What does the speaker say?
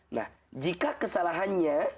nah jika kesalahannya